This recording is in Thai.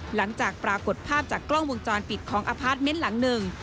หลังจากปรากฏภาพจากกล้องวงจรปิดของอพาร์ทเมนต์หลังหนึ่ง